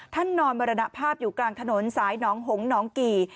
ท่านนอนมารณภาพอยู่กลางถนนสายนงน้องกี่